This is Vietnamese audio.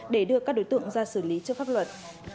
để đưa các đối tượng ra xử lý trước pháp luật